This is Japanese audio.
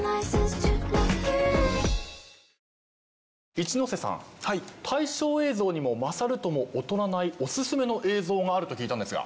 一ノ瀬さん大賞映像にも勝るとも劣らないお薦めの映像があると聞いたんですが。